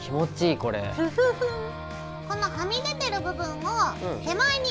このはみ出てる部分を手前に折り返します。